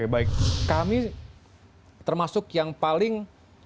jadi termasuk yang paling